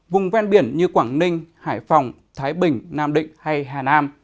vùng ven biển như quảng ninh hải phòng thái bình nam định hay hà nam